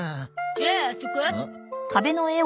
じゃああそこ？